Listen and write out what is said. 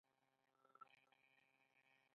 ایا زه باید د ماشوم غوږونه سورۍ کړم؟